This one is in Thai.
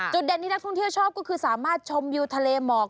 เด่นที่นักท่องเที่ยวชอบก็คือสามารถชมวิวทะเลหมอก